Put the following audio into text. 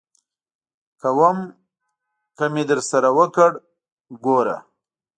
ک و م ک مې درسره وکړ، ګوره!